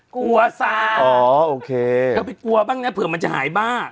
กลัวซาโอเคเธอไปกลัวบ้างนะเผื่อมันจะหายบ้า